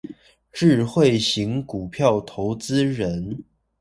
智慧型股票投資人